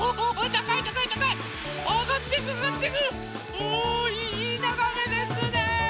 おおいいながめですね！